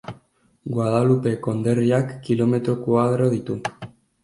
Guadalupe konderriak kilometro koadro ditu.